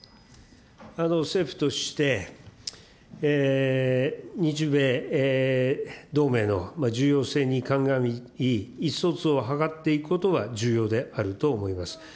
政府として、日米同盟の重要性に鑑み、意思疎通を図っていくことは重要であると思います。